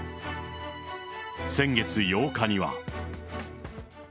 先月８日には。